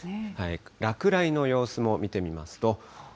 落雷の様子も見てみますと。